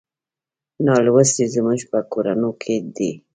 نالوستي زموږ په کورونو کې دي.